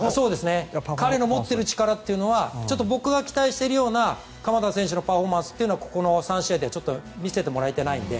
彼の持っている力は僕が期待しているような鎌田選手のパフォーマンスはこの３試合では見せてもらえていないので。